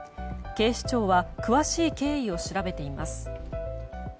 警視庁は詳しい経緯を調べています。